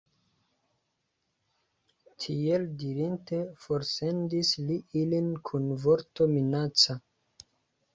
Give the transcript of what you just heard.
Tiel dirinte, forsendis li ilin kun vorto minaca.